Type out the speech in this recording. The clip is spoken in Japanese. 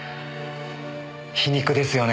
皮肉ですよね。